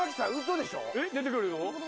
えっ出てくるよ